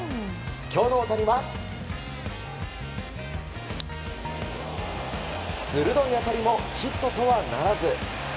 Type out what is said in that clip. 今日の大谷は鋭い当たりもヒットとはならず。